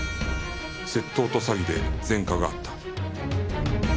窃盗と詐欺で前科があった